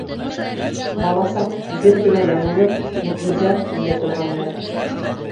Бала саҡ гел генә яңылыҡ, мөғжизә эҙләй торған мәл.